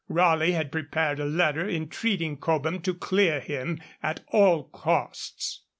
Raleigh had prepared a letter, entreating Cobham to clear him at all costs.